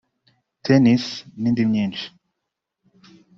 Tennis n'indi myinshi